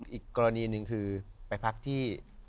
อีกกรณีหนึ่งคือไปพักที่